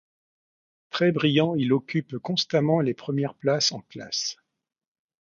Très brillant il occupe constamment les premières places en classe.